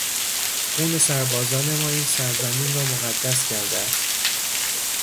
خون سربازان ما این سرزمین را مقدس کرده است.